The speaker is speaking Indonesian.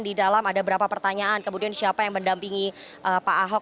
di dalam ada berapa pertanyaan kemudian siapa yang mendampingi pak ahok